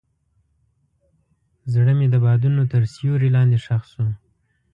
زړه مې د بادونو تر سیوري لاندې ښخ شو.